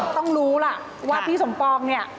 ต้องรู้ล่ะว่าพี่สมปองเนี่ย